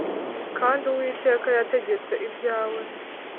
Kandi Uwiteka yategetse ibyawe